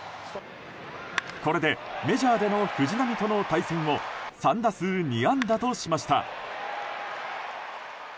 これでメジャーでの藤浪との対戦を３打数２安打としました。